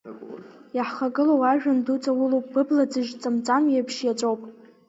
Иаҳхагылоу ажәҩан ду ҵаулоуп, быбла ӡыжь ҵамҵам еиԥш ииаҵәоуп.